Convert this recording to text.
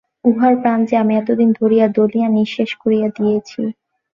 উহার প্রাণ যে আমি এতদিন ধরিয়া দলিয়া নিঃশেষ করিয়া দিয়াছি।